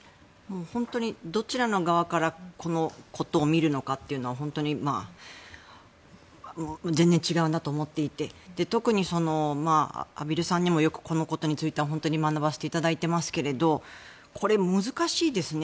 本当にどちらの側からこのことを見るのかというのは本当に全然違うなと思っていて特に畔蒜さんにもよくこのことについては学ばせていただいていますがこれ、難しいですね。